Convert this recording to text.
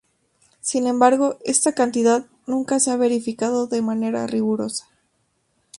Sin embargo, esta cantidad nunca se ha verificado de manera rigurosa.